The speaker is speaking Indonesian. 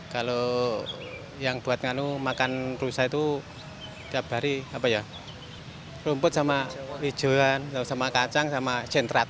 kalau yang buat nganu makan rusa itu tiap hari rumput sama hijauan sama kacang sama jentrat